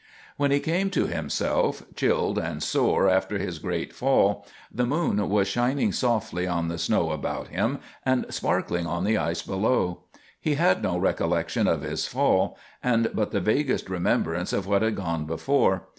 When he came to himself, chilled and sore after his great fall, the moon was shining softly on the snow about him and sparkling on the ice below. He had no recollection of his fall, and but the vaguest remembrance of what had gone before.